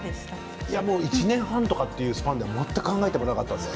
１年半というスパンでは全く考えていなかったです。